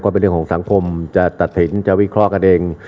เป็นเรื่องของสังคมจะตัดสินจะวิเคราะห์กันเอง